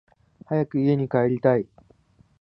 早く家に帰りたい